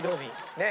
ねえ。